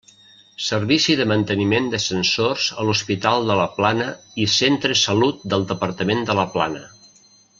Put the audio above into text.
Servici de manteniment d'ascensors a l'Hospital de la Plana i centres salut del Departament de la Plana.